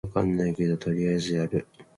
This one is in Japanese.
意味わかんないけどとりあえずやる